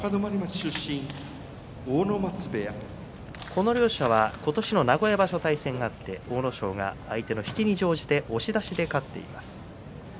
この両者は今年の名古屋場所、対戦があって阿武咲が相手の引きに乗じて押し出しで勝っています。